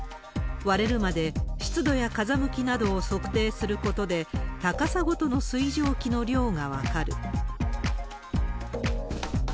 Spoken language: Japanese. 割れるまで湿度や風向きなどを測定することで、高さごとの水蒸気の量が分かる。